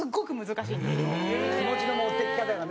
気持ちの持ってき方がね。